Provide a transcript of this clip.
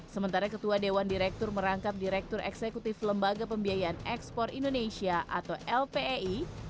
sementara ketua dewan direktur merangkap direktur eksekutif lembaga pembiayaan ekspor indonesia atau lpei